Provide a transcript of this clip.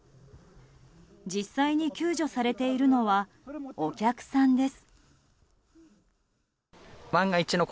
実際に救助されているのはお客さんです。